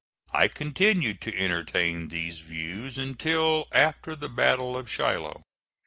I continued to entertain these views until after the battle of Shiloh.